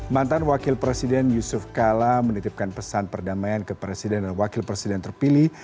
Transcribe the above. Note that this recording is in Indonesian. mantan wakil presiden yusuf kala menitipkan pesan perdamaian ke presiden dan wakil presiden terpilih